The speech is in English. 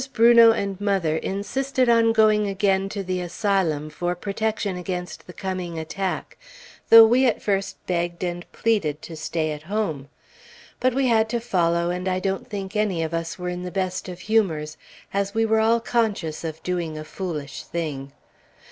Brunot and mother insisted on going again to the Asylum for protection against the coming attack, though we at first begged and pleaded to stay at home. But we had to follow, and I don't think any of us were in the best of humors, as we were all conscious of doing a foolish thing.